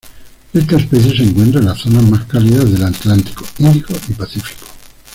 Esta especie se encuentra en las zonas más cálidas del Atlántico, Índico y Pacífico.